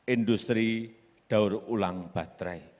industri daur ulang baterai